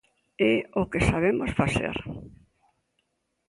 É o que sabemos facer!